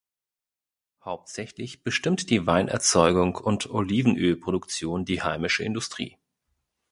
Hauptsächlich bestimmt die Weinerzeugung und Olivenölproduktion die heimische Industrie.